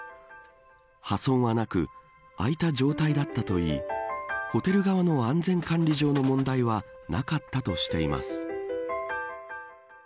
破損はなく開いた状態だったといいホテル側の安全管理上の問題はなかったとしています。